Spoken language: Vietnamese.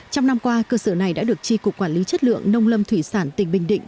trong năm qua cơ sở này đã được tri cục quản lý chất lượng nông lâm thủy sản tỉnh bình định